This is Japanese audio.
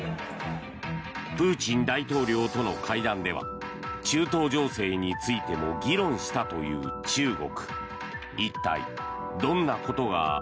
プーチン大統領との会談では中東情勢についても議論したという中国。